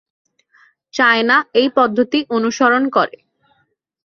China এই পদ্ধতি অনুসরণ করে।